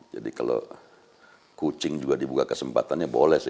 jadi kalau kucing juga dibuka kesempatannya boleh sih